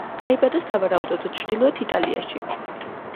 დაიბადა სავარაუდოდ ჩრდილოეთ იტალიაში.